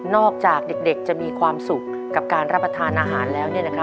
จากเด็กจะมีความสุขกับการรับประทานอาหารแล้ว